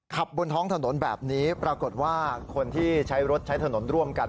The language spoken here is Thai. บนท้องถนนแบบนี้ปรากฏว่าคนที่ใช้รถใช้ถนนร่วมกัน